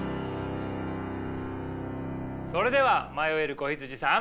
それでは迷える子羊さん。